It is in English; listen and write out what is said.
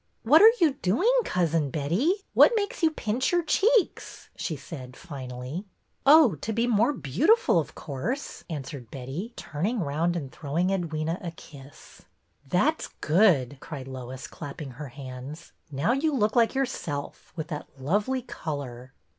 "What are you doing. Cousin Betty? What makes you pinch your cheeks ?" she said, finally. " Oh, to be more beautiful, of course," an swered Betty, turning round and throwing Edwyna a kiss. " That 's good," cried Lois, clapping her hands. " Now you look like yourself, with that lovely color."